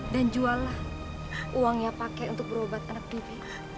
dan jual uangnya pakai untuk berobat anak dubi